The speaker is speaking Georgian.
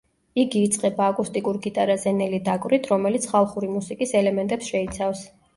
იგი იწყება აკუსტიკურ გიტარაზე ნელი დაკვრით, რომელიც ხალხური მუსიკის ელემენტებს შეიცავს.